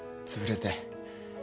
つぶれて。